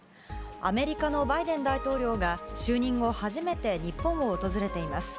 アメリカのバイデン大統領が就任後初めて日本を訪れています。